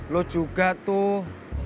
lo juga tuh